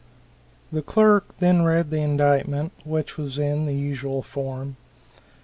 The clerk then read the indictment, which was in the usual form.